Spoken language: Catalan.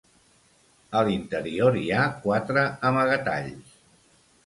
A l'interior hi ha quatre amagatalls.